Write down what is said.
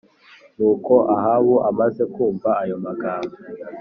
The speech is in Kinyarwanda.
Nuko Ahabu amaze kumva ayo magambo